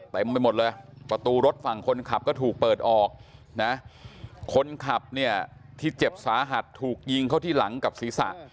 เต็มไปหมดเลยประตูรถฝั่งคนขับก็ถูกเปิดออกนะคนขับเนี่ยที่เจ็บสาหัสถูกยิงเข้าที่หลังกับศีรษะ